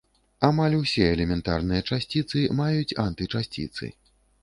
Амаль усе элементарныя часціцы маюць антычасціцы.